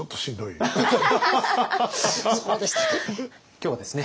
今日はですね